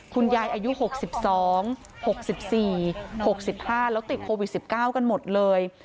อายุ๖๒๖๔๖๕แล้วติดโควิด๑๙กันหมดเลย